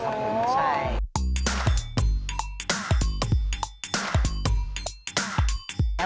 โอ้โฮ